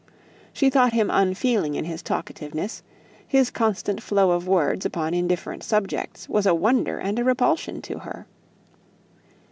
She thought him unfeeling in his talkativeness; his constant flow of words upon indifferent subjects was a wonder and a repulsion to her.